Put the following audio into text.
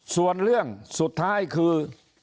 ส่วนเรื่องสุดท้ายคือ